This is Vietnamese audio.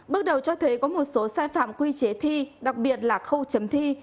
bước đầu cho thấy có một số sai phạm quy chế thi đặc biệt là khâu chấm thi